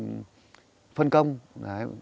đến cho bây giờ là phân công các anh chị lớn